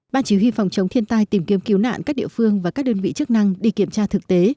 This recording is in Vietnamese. ban chỉ huy phòng chống thiên tai tìm kiếm cứu nạn các địa phương và các đơn vị chức năng đi kiểm tra thực tế